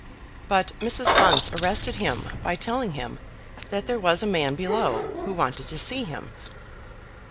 But Mrs. Bunce arrested him by telling him that there was a man below who wanted to see him.